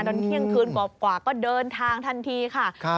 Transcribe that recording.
ตอนเที่ยงคืนกว่าก็เดินทางทันทีค่ะ